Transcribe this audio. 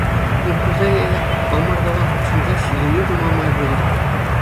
Конкурса е ӑмӑртӑва хутшӑнса ҫитӗнӳ тума май пулӗ.